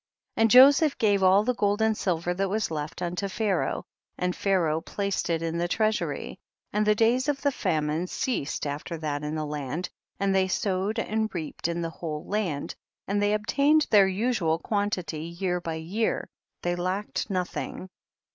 33. And Joseph gave all the gold and silver that was left unto Pha raoh, and Pharaoh placed it in the treasury, and the days of the famine ceased after that in the land, and they sowed and reaped in the whole land, and they obtained their usual quantity year by year ; they lacked nothing.